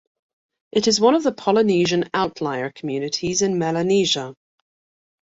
It is one of the Polynesian Outlier communities in Melanesia.